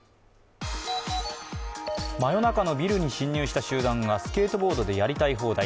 真夜中のビルに侵入した集団がスケートボードでやりたい放題。